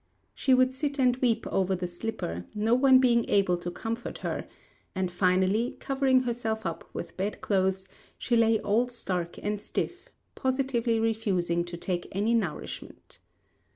She would sit and weep over the slipper, no one being able to comfort her; and finally, covering herself up with bed clothes, she lay all stark and stiff, positively refusing to take any nourishment.